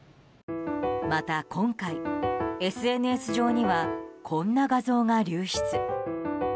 また今回、ＳＮＳ上にはこんな画像が流出。